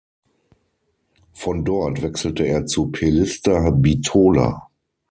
Von dort wechselte er zu Pelister Bitola.